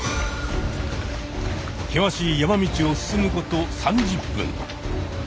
険しい山道を進むこと３０分。